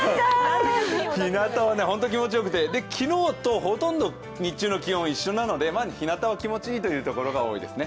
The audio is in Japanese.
ひなたは本当に気持ちよくて昨日とほとんど日中の気温は一緒なのでひなたは気持ちいいという所が多いですね。